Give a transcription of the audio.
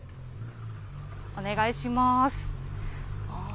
お願いします。